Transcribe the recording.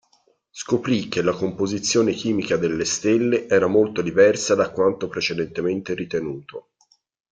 Scoprì che la composizione chimica delle stelle era molto diversa da quanto precedentemente ritenuto.